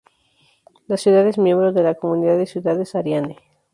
La ciudad es miembro de la Comunidad de Ciudades Ariane.